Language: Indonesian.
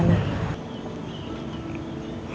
mama pasti seneng